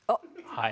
はい。